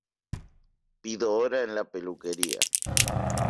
Pido hora en la peluquería.